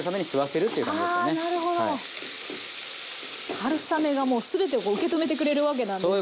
春雨がもう全てをこう受け止めてくれるわけなんですね。